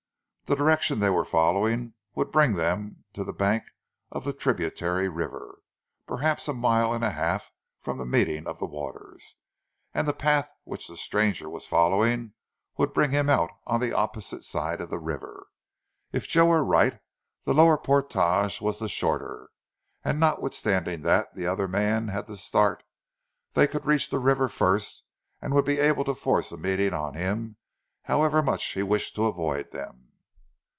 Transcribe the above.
The direction they were following would bring them to the bank of the tributary river, perhaps a mile and a half from the meeting of the waters; and the path which the stranger was following would bring him out on the opposite side of the river. If Joe were right the lower portage was the shorter, and, notwithstanding that the other man had the start, they could reach the river first and would be able to force a meeting on him however much he wished to avoid them.